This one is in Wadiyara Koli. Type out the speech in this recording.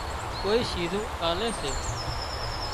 ڪوئي شِيزُون آلي سي